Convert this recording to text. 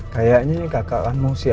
kayaknya nih kakak akan mau sebut